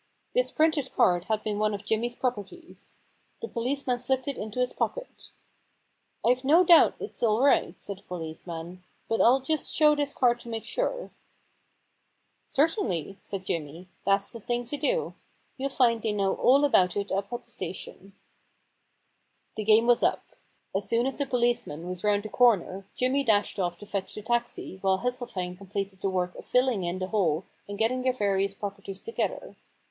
This printed card had been one of Jimmy's pro perties. The policeman slipped it into his pocket. * I've no doubt it's all right,' said the policeman, * but I'll just show this card to make sure.' 1^4 The Impersonation Problem • Certainly,' said Jimmy ;* that's the thing to do. You'll find they know all about it up at the station/ The game was up. As soon as the police man was round the corner Jimmy dashed off to fetch the taxi while Hesseltine completed the work of filling in the hole and getting their various properties together.